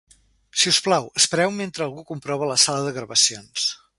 Si us plau, espereu mentre algú comprova la sala de gravacions.